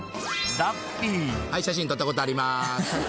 写真撮ったことあります。